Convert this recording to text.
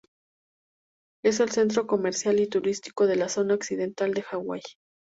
Es el centro comercial y turístico de la zona occidental de Hawái.